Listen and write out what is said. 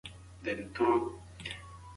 کورنۍ به یو موټی شي.